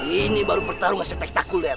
ini baru pertarungan spektakuler